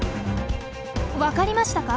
分かりましたか？